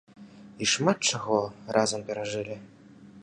І шмат чаго разам перажылі.